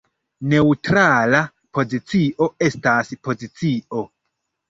Neǔtrala pozicio estas pozicio.